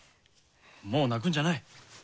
もう泣くんじゃない。